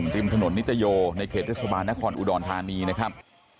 ริมถนนนิตโยในเขตเทศบาลนครอุดรธานีนะครับ